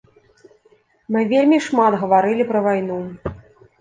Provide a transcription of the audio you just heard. Мы вельмі шмат гаварылі пра вайну.